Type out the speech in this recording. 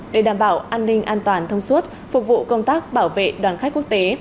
để đảm bảo an ninh an toàn thông suốt phục vụ công tác bảo vệ đoàn khách quốc tế